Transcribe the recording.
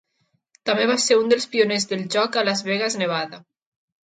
També va ser un dels pioners del joc a Las Vegas, Nevada.